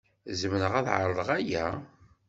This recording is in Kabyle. Zemreɣ ad ɛerḍeɣ aya?